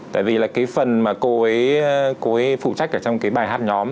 tại vì là cái phần mà cô ấy phụ trách ở trong cái bài hát nhóm